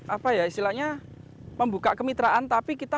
apa ya istilahnya membuka kemitraan tapi kita